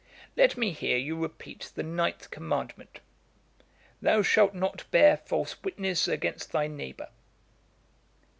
Let me hear you repeat the ninth Commandment, "Thou shalt not bear false witness against thy neighbour."'